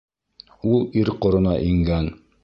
Ул ир ҡорона ингән.